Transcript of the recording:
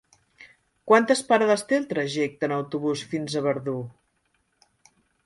Quantes parades té el trajecte en autobús fins a Verdú?